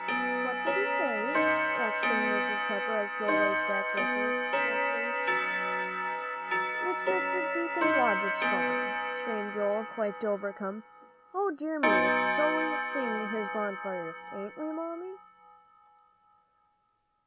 "What did he say?" asked Mrs. Pepper, as Joel raced back breathlessly. "It's Deacon Blodgett's barn," screamed Joel, quite overcome. "O dear me! So we are seeing his bonfire, ain't we, Mammy?"